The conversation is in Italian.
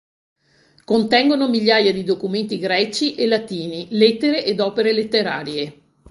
Contengono migliaia di documenti greci e latini, lettere ed opere letterarie.